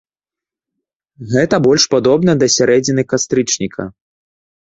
Гэта больш падобна да сярэдзіны кастрычніка.